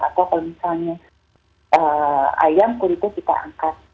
atau kalau misalnya ayam kulitnya kita angkat